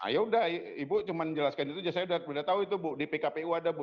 ya udah ibu cuma menjelaskan itu aja saya udah tahu itu bu di pkpu ada bu